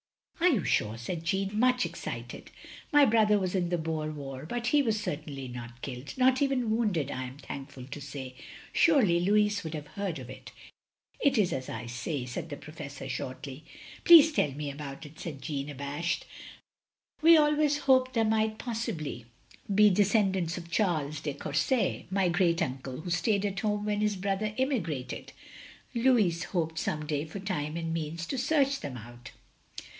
" "Are you sure?" said Jeanne, much excited. " My brother was in the Boer War, but he was certainly not killed. Not even wounded, I am thankful to say. Stu^ly Louis would have heard of it." "It is as I say," said the Professor, shortly. " Please tell me about it, " said Jeanne, abashed. "We always hoped there might possibly be de scendants of Charles de Courset, my great tmcle who stayed at home when his brother emigrated. Louis hoped some day for time and means to search them out.